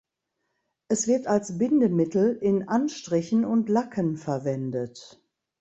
Es wird als Bindemittel in Anstrichen und Lacken verwendet.